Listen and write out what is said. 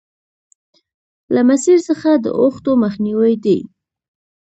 له مسیر څخه د اوښتو مخنیوی دی.